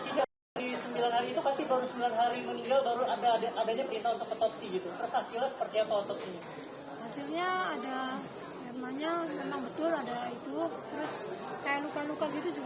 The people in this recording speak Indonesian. luka luka gitu juga betul